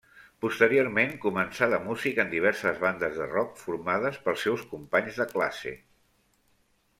Posteriorment començà de músic en diverses bandes de rock formades pels seus companys de classe.